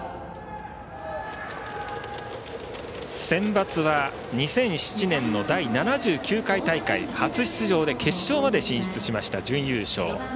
センバツは２００７年の第７９回大会、初出場で決勝まで進出しまして、準優勝。